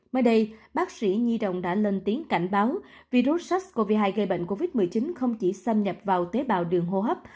mới đây bác sĩ nhi đồng đã lên tiếng cảnh báo virus sars cov hai gây bệnh covid một mươi chín không chỉ xâm nhập vào tế bào đường hô hấp